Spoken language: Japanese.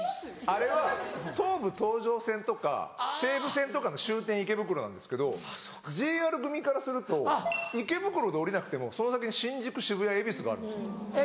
あれは東武東上線とか西武線とかの終点池袋なんですけどＪＲ組からすると池袋で降りなくてもその先に新宿渋谷恵比寿があるんですよ。